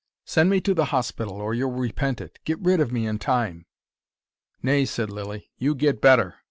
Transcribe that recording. "Send me to the hospital, or you'll repent it. Get rid of me in time." "Nay," said Lilly. "You get better.